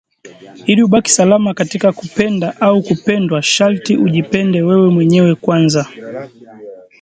ili ubaki salama katika kupenda au kupendwa sharti ujipende wewe mwenyewe kwanza